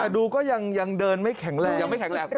ดูก็ยังเดินไม่แข็งแรง